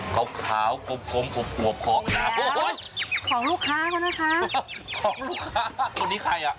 เป็นอันตรายกับคนรับข้าง